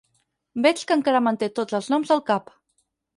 Veig que encara manté tots els noms al cap.